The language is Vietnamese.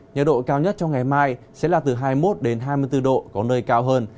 nhật độ cao nhất trong ngày mai sẽ là từ hai mươi một hai mươi bốn độ có nơi cao hơn